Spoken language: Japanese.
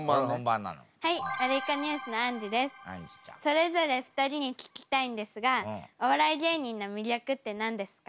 それぞれ２人に聞きたいんですがお笑い芸人の魅力って何ですか？